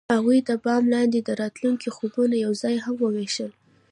هغوی د بام لاندې د راتلونکي خوبونه یوځای هم وویشل.